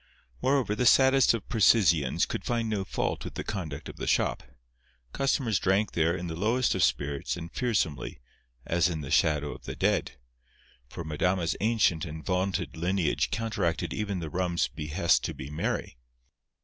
Moreover, the saddest of precisians could find no fault with the conduct of the shop. Customers drank there in the lowest of spirits and fearsomely, as in the shadow of the dead; for Madama's ancient and vaunted lineage counteracted even the rum's behest to be merry.